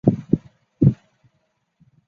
何无忌的儿子。